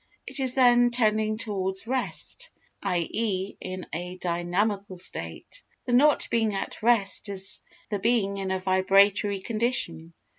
It is then tending towards rest, i.e. in a dynamical state. The not being at rest is the being in a vibratory condition.